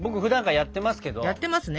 やってますね。